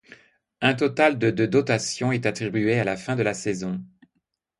Un total de de dotation est attribué à la fin de la saison.